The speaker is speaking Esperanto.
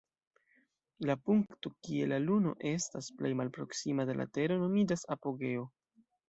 La punkto kie la luno estas plej malproksima de la tero nomiĝas "apogeo".